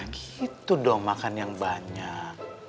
gitu dong makan yang banyak